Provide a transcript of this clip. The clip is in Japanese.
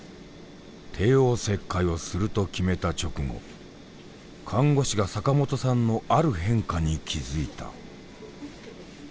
帝王切開をすると決めた直後看護師が坂本さんのある変化に気付いた。